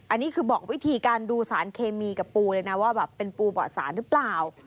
อันนี้คือบอกวิธีการดูสารเคมีกับปูเลยนะว่าแบบเป็นปูเบาะสารหรือเปล่า